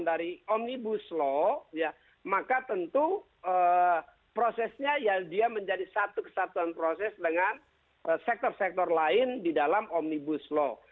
dari omnibus law maka tentu prosesnya ya dia menjadi satu kesatuan proses dengan sektor sektor lain di dalam omnibus law